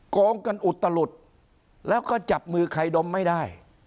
โกงกันอุตลุดแล้วก็จับมือใครดมไม่ได้